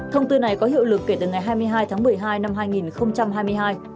thông tư này có hiệu lực kể từ ngày hai mươi hai tháng một mươi hai năm hai nghìn hai mươi hai